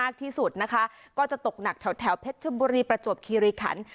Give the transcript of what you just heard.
ฯก็จะตกหนักแถวแถวเพชรทุะบุรีประจวบคีริขัน